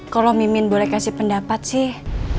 kalau mimin boleh kasih pendapat sih